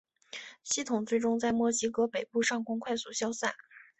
系统最终在墨西哥北部上空快速消散。